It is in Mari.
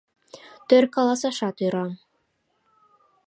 Тӧр каласашат ӧрам.